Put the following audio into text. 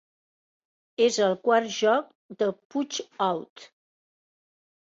És el quart joc del "Punch-Out!!"